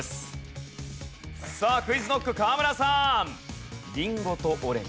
さあＱｕｉｚＫｎｏｃｋ河村さん。